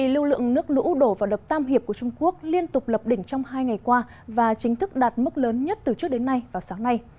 lưu lượng nước lũ đổ vào đập tam hiệp của trung quốc liên tục lập đỉnh trong hai ngày qua và chính thức đạt mức lớn nhất từ trước đến nay vào sáng nay